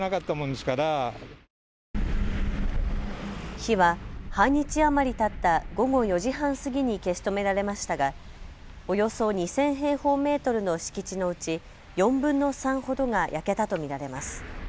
火は半日余りたった午後４時半過ぎに消し止められましたが、およそ２０００平方メートルの敷地のうち４分の３ほどが焼けたと見られます。